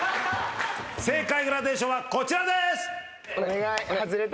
正解グラデーションはこちらです。